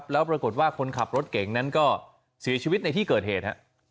แล้วปรากฏว่าคนขับรถเก่งนั้นก็เสียชีวิตในที่เกิดเหตุ